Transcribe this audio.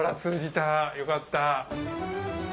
よかった。